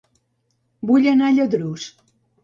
Vull anar a Lladurs